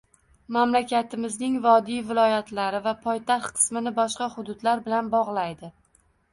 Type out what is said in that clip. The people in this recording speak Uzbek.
Mamlakatimizning vodiy viloyatlari va poytaxt qismini boshqa hududlar bilan bog‘laydi